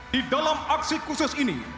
di dalam aksi khusus ini